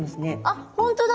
あ本当だ。